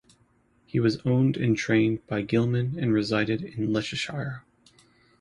He was owned and trained by Gilman and resided in Leicestershire.